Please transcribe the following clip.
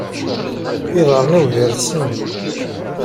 Iḍarren-iw gersen.